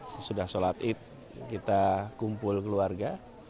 sesudah sholat id kita kumpul keluarga